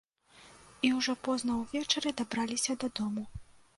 І ўжо позна ўвечары дабраліся дадому.